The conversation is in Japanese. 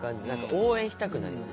応援したくなります。